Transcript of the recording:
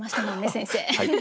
先生。